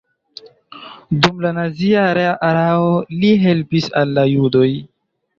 Dum la nazia erao li helpis al la judoj.